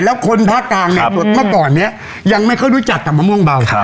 แล้วคนภาคกลางเนี่ยเมื่อก่อนนี้ยังไม่ค่อยรู้จักกับมะม่วงเบา